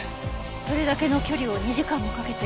それだけの距離を２時間もかけて。